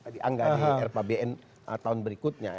dianggarkan di rpbn tahun berikutnya